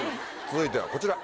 続いてはこちら。